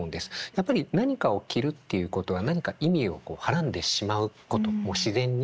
やっぱり何かを着るっていうことは何か意味をこうはらんでしまうことも自然に。